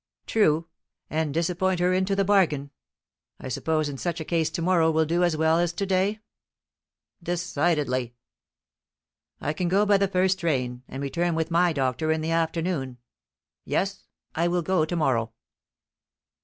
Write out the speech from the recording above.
"True; and disappoint her into the bargain. I suppose in such a case tomorrow will do as well as to day?" "Decidedly." "I can go by the first train, and return with my doctor in the afternoon. Yes, I will go tomorrow."